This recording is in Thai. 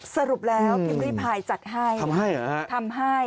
สรุปแล้วพิมพ์ริพายจัดให้ทำให้เหรอฮะทำให้